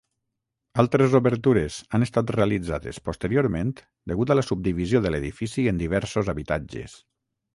Altres obertures han estat realitzades posteriorment degut a la subdivisió de l'edifici en diversos habitatges.